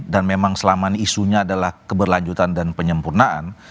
dan memang selama ini isunya adalah keberlanjutan dan penyempurnaan